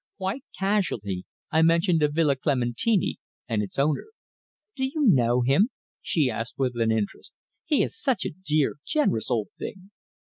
Quite casually I mentioned the Villa Clementini, and its owner. "Do you know him?" she asked with interest. "He is such a dear, generous old thing."